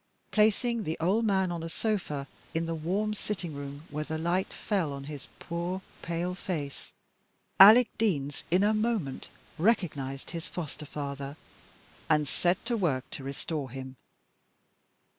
Placing the old man on a sofa in the warm sitting room where the light fell on his poor, pale face, Alec Deans in a moment recognized his foster father, and set to work to restore him.